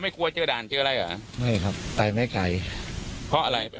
มีรถกระบะจอดรออยู่นะฮะเพื่อที่จะพาหลบหนีไป